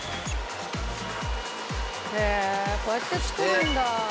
「へえーこうやって作るんだ」